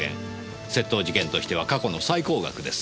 窃盗事件としては過去の最高額です。